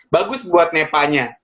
bagus buat nepanya